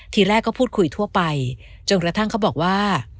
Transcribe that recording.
ทีแรกก็พูดคุยทั่วไปจนกระทั่งเขาบอกว่า